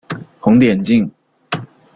红点镜。